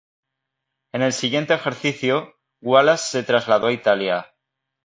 En el siguiente ejercicio, Wallace se trasladó a Italia.